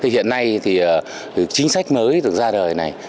hiện nay chính sách mới từng ra đời này